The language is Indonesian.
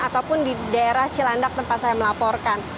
ataupun di daerah cilandak tempat saya melaporkan